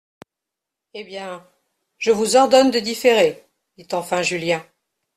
Eh bien ! je vous ordonne de différer, dit enfin Julien.